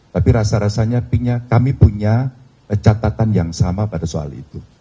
tapi rasa rasanya kami punya catatan yang sama pada soal itu